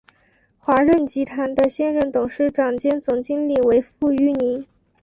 华润集团的现任董事长兼总经理为傅育宁。